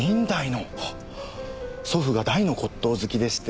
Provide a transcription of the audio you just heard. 祖父が大の骨董好きでして。